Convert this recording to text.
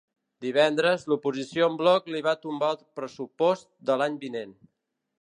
Divendres, l’oposició en bloc li va tombar el pressupost de l’any vinent.